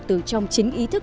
từ trong chính ý thức